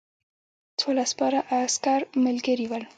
څوارلس سپاره عسکر ملګري ول.